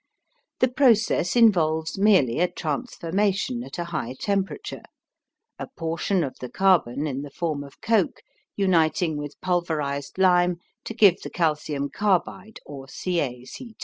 The process involves merely a transformation at a high temperature, a portion of the carbon in the form of coke, uniting with pulverized lime to give the calcium carbide or CaC2.